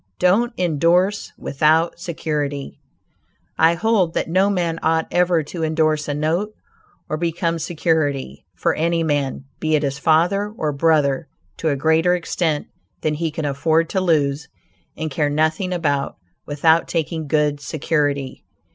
DON'T INDORSE WITHOUT SECURITY I hold that no man ought ever to indorse a note or become security, for any man, be it his father or brother, to a greater extent than he can afford to lose and care nothing about, without taking good security.